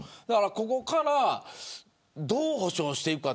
ここから、どう補償していくか。